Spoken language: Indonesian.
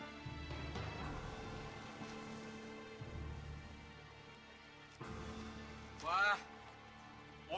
harus menurut jangan kayak ibu kamu